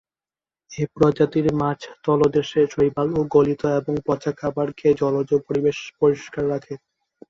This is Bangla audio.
এ প্রজাতির মাছ তলদেশে শৈবাল ও গলিত এবং পচা খাবার খেয়ে জলজ পরিবেশ পরিষ্কার রাখে।